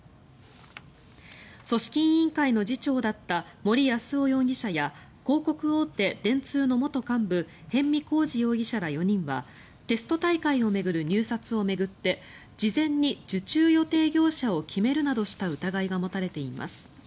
組織委員会の次長だった森泰夫容疑者や広告大手、電通の元幹部逸見晃治容疑者ら４人はテスト大会を巡る入札を巡って事前に受注予定業者を決めるなどした疑いが持たれています。